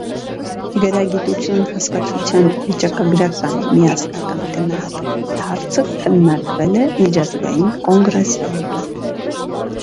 Գրագիտություն հասկացության վիճակագրական միասնական գնահատակաևի հարցը քննարկվել է միջազգային կոնգրեսններում։